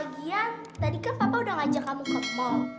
lagian tadi kan papa udah ngajak kamu ke mal